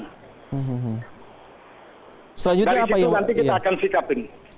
dari situ nanti kita akan sikap ini